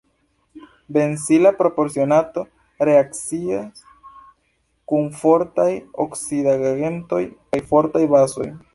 Benzila propionato reakcias kun fortaj oksidigagentoj kaj fortaj bazoj.